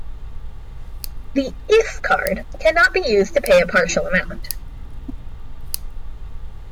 The Iff card cannot be used to pay a partial amount.